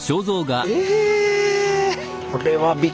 え！